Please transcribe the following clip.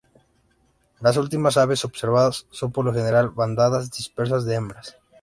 Las últimas aves observadas son por lo general bandadas dispersas de hembras.